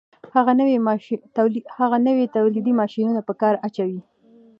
هغه نوي تولیدي ماشینونه په کار اچوي